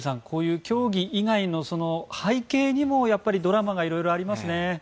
こういう競技以外の背景にもやっぱりドラマが色々ありますね。